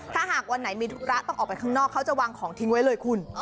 ถ้าหากวันไหนมีธุระต้องออกไปข้างนอกเขาจะวางของทิ้งไว้เลยคุณ